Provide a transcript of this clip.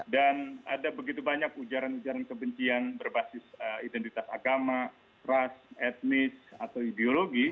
dan ada begitu banyak ujaran ujaran kebencian berbasis identitas agama ras etnis atau ideologi